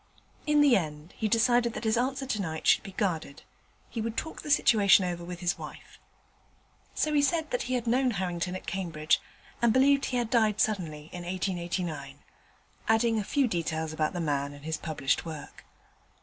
In the end he decided that his answer tonight should be guarded; he would talk the situation over with his wife. So he said that he had known Harrington at Cambridge, and believed he had died suddenly in 1889, adding a few details about the man and his published work.